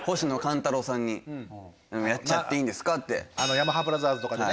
ヤマハブラザーズとかでね